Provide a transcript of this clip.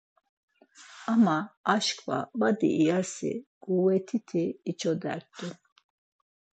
Ama aşǩva badi iyasi ǩuvet̆iti içodert̆u.